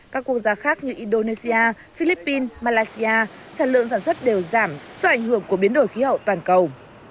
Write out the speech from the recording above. các quốc gia khác như indonesia philippines malaysia sản lượng sản xuất đều giảm do ảnh hưởng của biến đổi khí hậu toàn cầu